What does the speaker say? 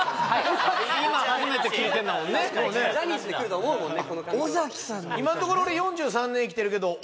ジャニーズでくると思うもんね